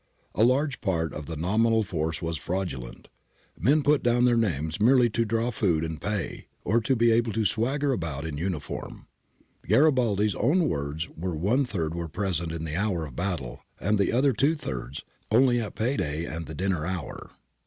A large part of the nominal force was fraudulent ; men put down their names merely to draw food and pay, or to be able to swagger about in uniform. Garibaldi's own words were, ' one third were present in the hour of battle, and the other two thirds only at pay day and the dinner hour' {Orero, 106 ; Revel's da Ancona, 1 14 1 17).